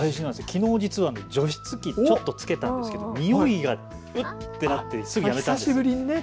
きのう実は除湿機ちょっとつけたんですけど臭いがうってなってすぐやめたんです。